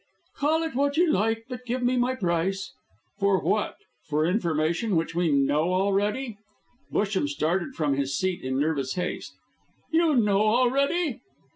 "Call it what you like, but give me my price." "For what? For information which we know already?" Busham started from his seat in nervous haste. "You know already!"